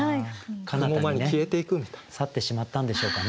雲間に消えていくみたいな。去ってしまったんでしょうかね。